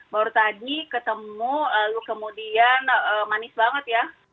baru tadi ketemu lalu kemudian manis banget ya